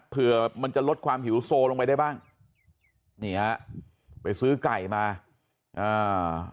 เผื่อมันจะลดความหิวโซลงไปได้บ้างนี่ฮะไปซื้อไก่มาอ่า